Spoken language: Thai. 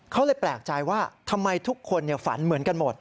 เขาเลยแปลกใจว่าทำไมทุกคนฝันเหมือนกันหมด